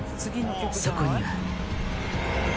そこには。